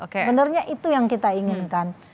sebenarnya itu yang kita inginkan